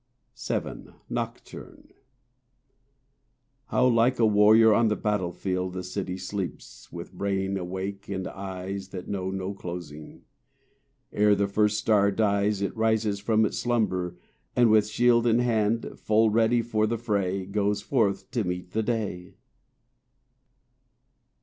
VII—Nocturne How like a warrior on the battlefield The city sleeps, with brain awake, and eyes That know no closing. Ere the first star dies It rises from its slumber, and with shield In hand, full ready for the fray, Goes forth to meet the day.